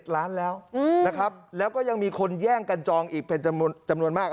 ล้านแล้วนะครับแล้วก็ยังมีคนแย่งกันจองอีกเป็นจำนวนมาก